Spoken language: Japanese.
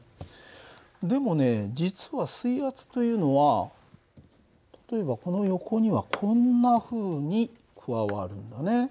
でもね実は水圧というのは例えばこの横にはこんなふうに加わるんだね。